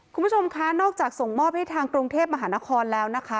คุณผู้ชมคะนอกจากส่งมอบให้ทางกรุงเทพมหานครแล้วนะคะ